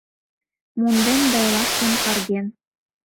монден да ила шкем карген